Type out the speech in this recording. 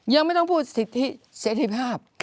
ยังไม่ต้องพูดสิทธิเสรีภาพ